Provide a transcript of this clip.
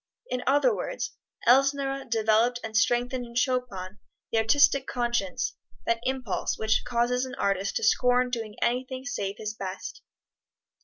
In other words, Elsner developed and strengthened in Chopin the artistic conscience that impulse which causes an artist to scorn doing anything save his best.